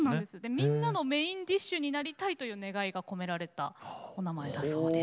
みんなのメインディッシュになりたいという願いが込められたお名前だそうです。